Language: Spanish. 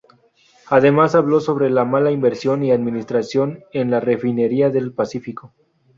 Además habló sobre la mala inversión y administración en la Refinería del Pacífico.